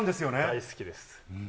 大好きです。